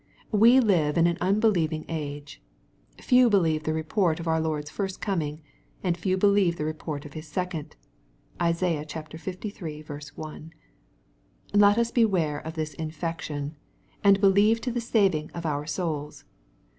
We live in an unbelieving age. Few believed the report of our Lord's first coming, ] and few believe the report of His second. (Isaiah liii. l.)V Let us beware of this infection, and believe to the saving of our souls.